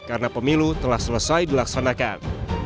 karena pemilu telah selesai dilaksanakan